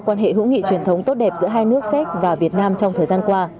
quan hệ hữu nghị truyền thống tốt đẹp giữa hai nước séc và việt nam trong thời gian qua